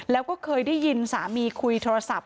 แล้วก็เคยได้ยินสามีคุยโทรศัพท์